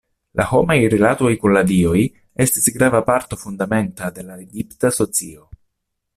La homaj rilatoj kun la dioj estis grava parto fundamenta de la egipta socio.